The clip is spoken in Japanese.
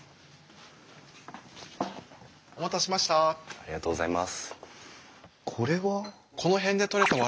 ありがとうございます。